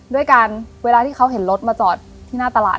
ด้วยการเวลาที่เขาเห็นรถมาจอดที่หน้าตลาด